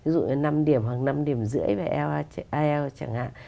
ví dụ năm điểm hoặc năm điểm rưỡi về ielts chẳng hạn